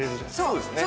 そうですね。